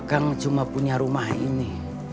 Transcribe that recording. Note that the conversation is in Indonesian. kan cuma punya rumah ini